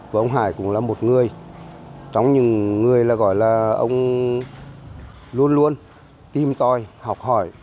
và ông hải cũng là một người trong những người gọi là ông luôn luôn tìm tòi học hỏi